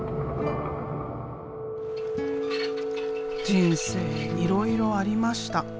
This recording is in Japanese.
人生いろいろありました。